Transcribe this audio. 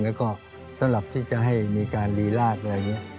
แล้วก็สำหรับที่จะให้มีการรีราชอะไรอย่างนี้